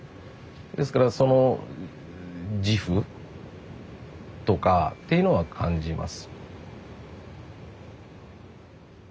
ですからその自負とかっていうのは感じます。